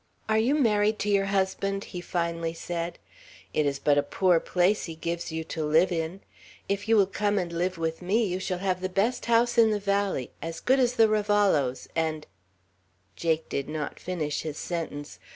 "Are you married to your husband?" he finally said. "It is but a poor place he gives you to live in. If you will come and live with me, you shall have the best house in the valley, as good as the Ravallos'; and " Jake did not finish his sentence.